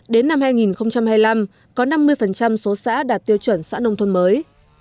đến năm hai nghìn hai mươi năm có năm mươi số xã đạt tiêu chuẩn xã nông thôn mới